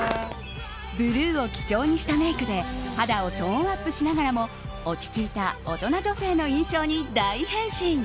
ブルーを基調にしたメイクで肌をトーンアップしながらも落ち着いた大人女性の印象に大変身。